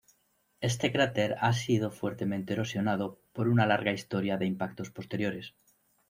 Este cráter ha sido fuertemente erosionado por una larga historia de impactos posteriores.